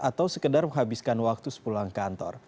atau sekedar menghabiskan waktu sepulang kantor